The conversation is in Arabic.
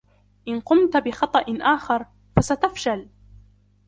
إن قمت بخطئ آخر ، فستفشل.